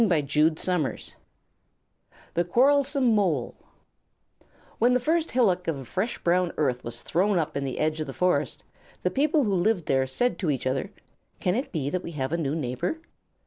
THE QUARRELSOME MOLE When the first hillock of fresh brown earth was thrown up in the edge of the Forest, the People who lived there said to each other. "Can it be that we have a new neighbor?"